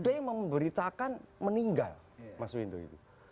ada yang memberitakan meninggal mas windu itu